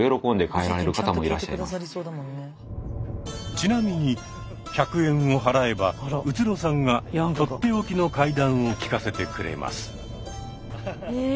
ちなみに１００円を払えば宇津呂さんが取って置きの怪談を聞かせてくれます。